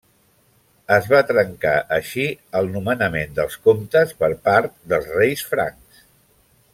Es va trencar així el nomenament dels comtes per part dels reis francs.